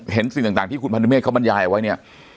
เห็นสิ่งต่างที่คุณพันธุเมษเข้ามัญญายเอาไว้เนี่ย